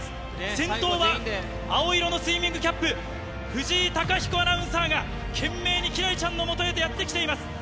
先頭は青色のスイミングキャップ、藤井貴彦アナウンサーが懸命に輝星ちゃんのもとへとやって来ています。